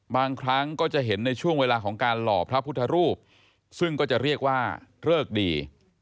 บางครั้งก็จะเห็นในช่วงเวลาของการหล่อพระพุทธรูปซึ่งก็จะเรียกว่าเลิกดี